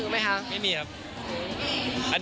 มีมีครับ